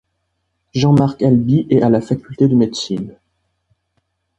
Jean-Marc Alby et à la Faculté de Médecine.